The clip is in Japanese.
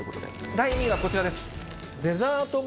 第２位はこちらです。